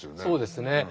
そうですね。